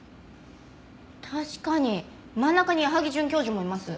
確かに真ん中に矢萩准教授もいます。